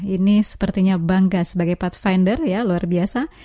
ini sepertinya bangga sebagai pathfinder ya luar biasa